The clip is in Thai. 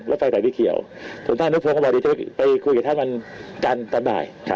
ถึงท่านนักภูมิเขาบอกว่าจะไปคุยกับท่านมันกันตอนนี้ครับ